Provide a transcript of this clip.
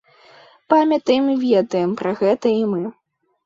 Памятаем і ведаем пра гэта і мы.